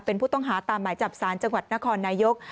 เป็นผู้ต้องหาตามหมายจับสารจังหวัดนครนายก